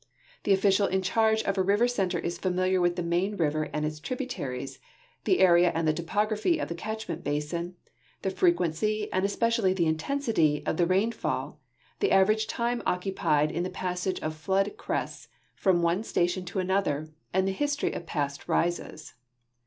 The official in charge of a river center is familiar Avith the main river WEATHER BUREAU RIVER AND FLOOD SYSTEM 303 and its tributaries, the area and topography of the catchment basin, the freqnenc3^ and. especially the intensity, of the rainfall, the average time occupied in the passage of flood crests from one station to anotlier, and the history of past rises.